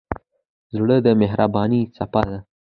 زړه د مهربانۍ څپه ده.